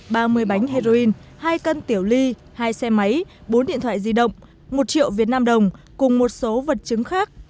ba mươi bánh heroin hai cân tiểu ly hai xe máy bốn điện thoại di động một triệu việt nam đồng cùng một số vật chứng khác